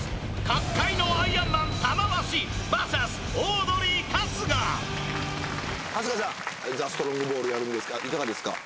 角界のアイアンマン玉鷲ＶＳオードリー春日春日さんザ・ストロングポールやるんですがいかがですか？